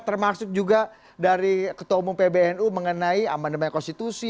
termasuk juga dari ketua umum pbnu mengenai amandemen konstitusi